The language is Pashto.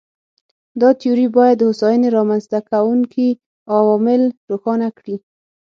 دا تیوري باید د هوساینې رامنځته کوونکي عوامل روښانه کړي.